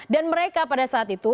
dan mereka pada saat itu